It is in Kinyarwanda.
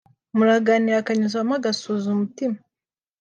muraganira akanyuzamo agasuhuza umutima